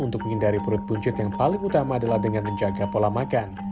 untuk menghindari perut buncit yang paling utama adalah dengan menjaga pola makan